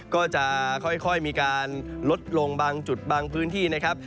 ก็จะค่อยมีการลดลงบางจุดบางพื้นที่นะครับ